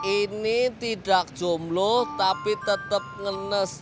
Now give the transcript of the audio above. ini tidak jomblo tapi tetap ngenas